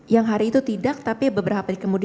yang hari itu tidak tapi dia mengantar ke apartemennya